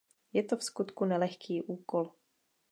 Je to vskutku nelehký úkol.